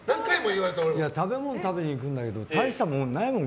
食べ物食べに行くんだけど大したことがないもの